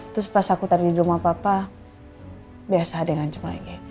terus pas aku tadi di rumah papa biasa deh ngajem lagi